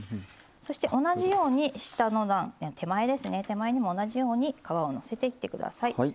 そして、同じように下の段手前にも同じように皮をのせていってください。